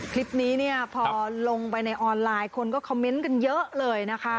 คลิปนี้เนี่ยพอลงไปในออนไลน์คนก็คอมเมนต์กันเยอะเลยนะคะ